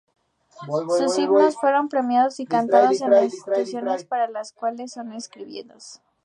Sus himnos fueron premiados y cantados en las instituciones para las cuales los escribió.